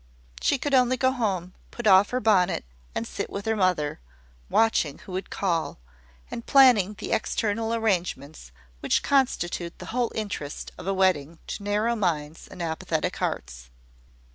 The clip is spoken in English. She could only go home, put off her bonnet, and sit with her mother, watching who would call, and planning the external arrangements which constitute the whole interest of a wedding to narrow minds and apathetic hearts.